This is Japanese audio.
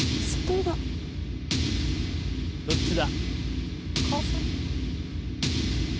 どっちだ？